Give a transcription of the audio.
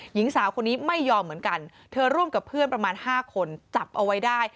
หญิงสาวคนนี้ไม่ยอมเหมือนกันเธอร่วมกับเพื่อนประมาณ๕คนจับเอาไว้ได้